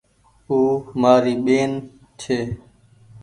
او مآري ٻين ڇي۔